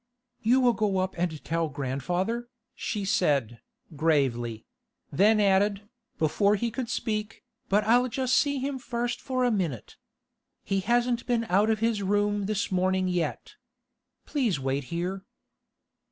'You will go up and tell grandfather,' she said, gravely; then added, before he could speak, 'But I'll just see him first for a minute. He hasn't been out of his room this morning yet. Please wait here.